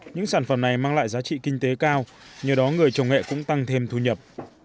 những sản phẩm này mang lại giá trị kinh tế cao nhờ đó người trồng nghệ cũng tăng thêm thu nhập